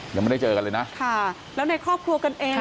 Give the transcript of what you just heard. ยังไม่ได้เจอกันเลยนะค่ะแล้วในครอบครัวกันเอง